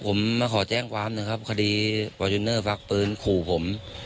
ผมมาขอแจ้งความนะครับคดีฟอร์จูเนอร์ฟักปืนขู่ผม